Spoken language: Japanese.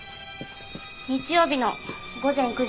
日曜日の午前９時４６分